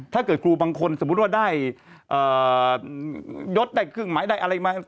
ถ้าเกิดครูบางคนสมมุติว่าได้ยดได้เครื่องหมายได้อะไรมา